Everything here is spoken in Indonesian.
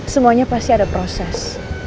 semuanya pasti ada proses